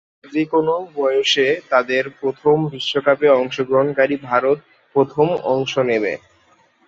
যে কোনও বয়সে তাদের প্রথম বিশ্বকাপে অংশগ্রহণকারী ভারত প্রথম অংশ নেবে।